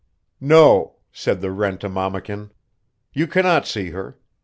VI "No," said the rent a mammakin, "you cannot see her.